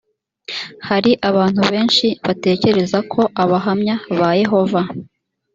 hari abantu benshi batekereza ko abahamya ba yehova